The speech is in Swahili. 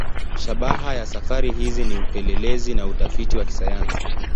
Shabaha ya safari hizi ni upelelezi na utafiti wa kisayansi.